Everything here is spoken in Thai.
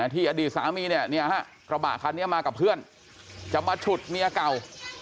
อดีตสามีเนี่ยฮะกระบะคันนี้มากับเพื่อนจะมาฉุดเมียเก่า